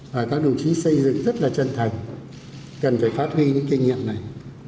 và các đồng chí xây dựng rất là chân thành cần phải phát huy những kinh nghiệm này